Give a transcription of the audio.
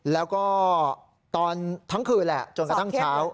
แล้วก็ตอนทั้งคืนแหละจนกระทั่งเช้า